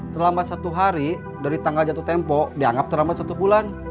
selama satu hari dari tanggal jatuh tempo dianggap terlambat satu bulan